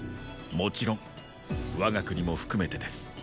もちろん我が国も含めてです。